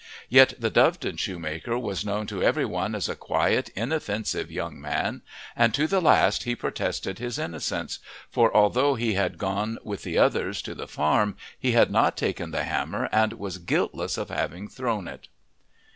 Yet the Doveton shoemaker was known to every one as a quiet, inoffensive young man, and to the last he protested his innocence, for although he had gone with the others to the farm he had not taken the hammer and was guiltless of having thrown it.